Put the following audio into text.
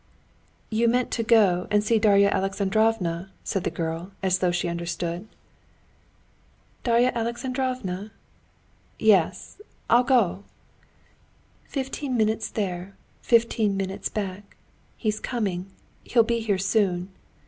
"You meant to go and see Darya Alexandrovna," said the girl, as though she understood. "Darya Alexandrovna? Yes, I'll go." "Fifteen minutes there, fifteen minutes back. He's coming, he'll be here soon."